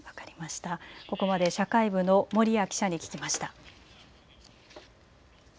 ここまで社会部の守屋記者に聞きました。